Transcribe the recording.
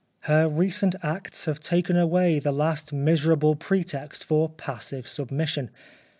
Her recent acts have taken away the last miser able pretext for passive submission.